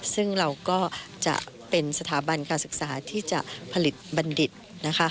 ซึ่งเราก็จะเป็นสถาบันการศึกษาที่จะผลิตบัณฑิตนะคะ